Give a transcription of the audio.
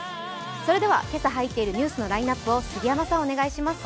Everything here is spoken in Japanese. それでは今朝入っているニュースのラインナップを杉山さん、お願いします。